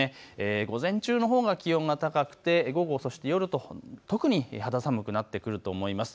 午前中のほうが気温が高くて午後、そして夜と特に肌寒くなってくると思います。